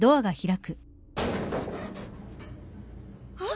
あっ！？